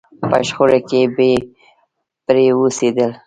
په شخړو کې بې پرې اوسېدل.